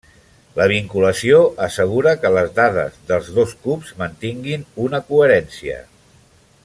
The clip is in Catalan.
La vinculació assegura que les dades dels dos cubs mantinguin una coherència.